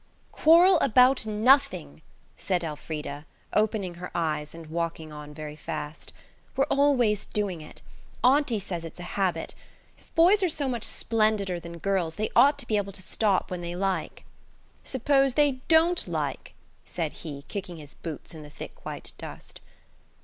"Quarrel about nothing," said Elfrida, opening her eyes and walking on very fast. "We're always doing it. Auntie says it's a habit. If boys are so much splendider than girls, they ought to be able to stop when they like." "Suppose they don't like?" said he, kicking his boots in the thick, white dust.